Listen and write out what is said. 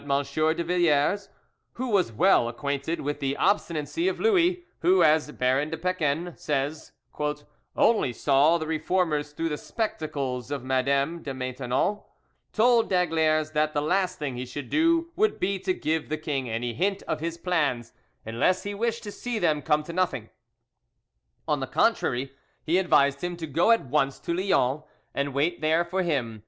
de Villars, who was well acquainted with the obstinacy of Louis, who, as Baron de Peken says, "only saw the Reformers through the spectacles of Madame de Maintenon," told d'Aygaliers that the last thing he should do would be to give the king any hint of his plans, unless he wished to see them come to nothing; on the contrary, he advised him to go at once to Lyons and wait there for him, M.